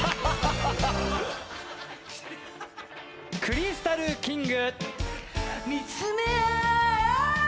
クリスタルキング。